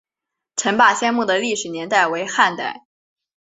陈霸先墓的历史年代为汉代。